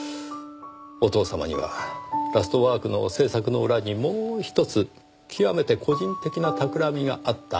お父様には『ラストワーク』の制作の裏にもう１つ極めて個人的なたくらみがあった。